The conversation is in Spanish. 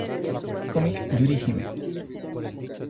Comic Yuri Hime